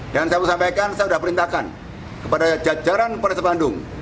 dan saya mau sampaikan saya sudah perintahkan kepada jajaran forestabes bandung